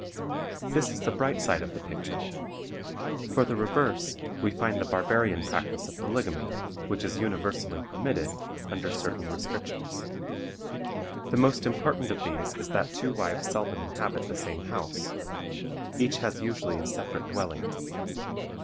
This is the bright side of the picture. For the reverse, we find the barbarian practice of polygamy, which is universally permitted, under certain restrictions. The most important of these is that two wives seldom inhabit the same house; each has usually a separate dwelling.